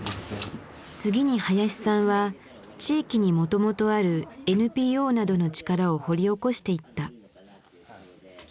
次に林さんは地域にもともとあるＮＰＯなどの力を掘り起こしていった。